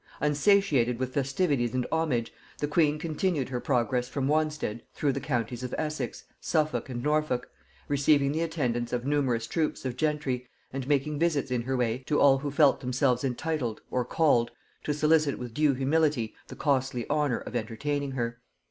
Unsatiated with festivities and homage, the queen continued her progress from Wanstead through the counties of Essex, Suffolk and Norfolk, receiving the attendance of numerous troops of gentry, and making visits in her way to all who felt themselves entitled, or called, to solicit with due humility the costly honor of entertaining her.